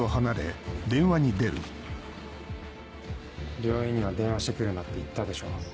病院には電話してくるなって言ったでしょう。